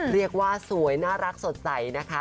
เรียกว่าสวยน่ารักสดใสนะคะ